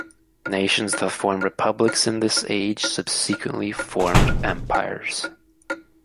Nations that formed republics in this age subsequently formed empires.